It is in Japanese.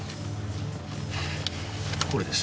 これです。